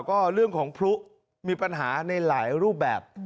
ก็เรื่องของพลุมีปัญหาในหลายรูปแบบ